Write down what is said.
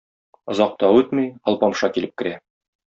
Озак та үтми, Алпамша килеп керә.